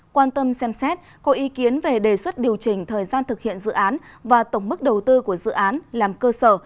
quan tâm xem xét có ý kiến về đề xuất điều chỉnh thời gian thực hiện dự án và tổng mức đầu tư của dự án làm cơ sở